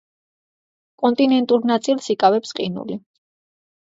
კონტინენტურ ნაწილს იკავებს ყინული.